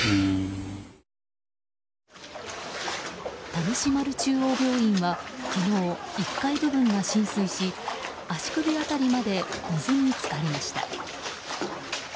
田主丸中央病院は昨日、１階部分が浸水し足首辺りまで水に浸かりました。